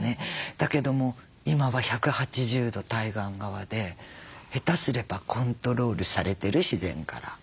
だけども今は１８０度対岸側で下手すればコントロールされてる自然から。